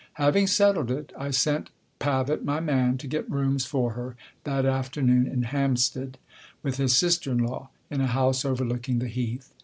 Having settled it, I sent Pavitt, my man, to get rooms for her that afternoon in Hampstead, with his sister in law, in a house overlooking the Heath.